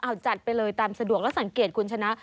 เอาจัดไปเลยตามสะดวกแล้วสังเกตคุณชนะ